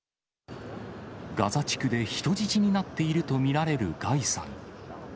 ガザ地区で人質になっていると見られるガイさん。